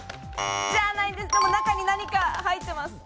じゃないんですが、でも中に何か入ってます。